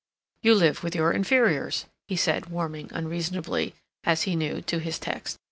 "You live with your inferiors," he said, warming unreasonably, as he knew, to his text.